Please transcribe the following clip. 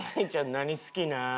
何好きなん？」